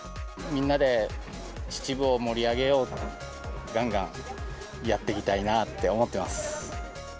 みんなで秩父を盛り上げようと、がんがんやっていきたいなって思ってます。